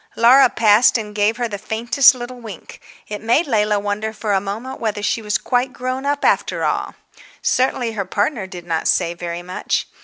Laura passed and gave her the faintest little wink; it made Leila wonder for a moment whether she was quite grown up after all. Certainly her partner did not say very much.